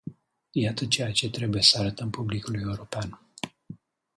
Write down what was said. Iată ceea ce trebuie să arătăm publicului european.